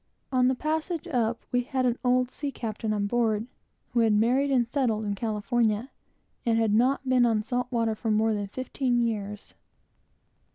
On the passage up, we had an old sea captain on board, who had married and settled in California, and had not been on salt water for more than fifteen years.